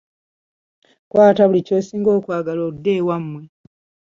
Kwata buli ky'osinga okwagala odde ewammwe.